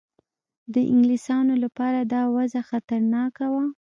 د انګلیسیانو لپاره دا وضع خطرناکه وه.